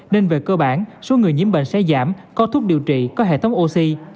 nên về cơ bản số người nhiễm bệnh sẽ giảm có thuốc điều trị có hệ thống oxy